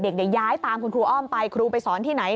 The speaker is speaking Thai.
ย้ายตามคุณครูอ้อมไปครูไปสอนที่ไหน